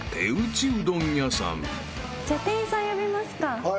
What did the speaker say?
じゃあ店員さん呼びますか。